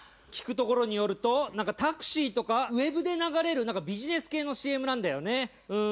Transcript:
聞くところによるとタクシーとかウェブで流れるビジネス系のＣＭなんだよね。